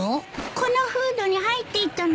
このフードに入っていたの。